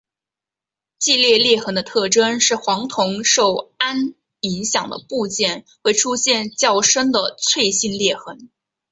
季裂裂痕的特征是黄铜受氨影响的部件会出现较深的脆性裂痕。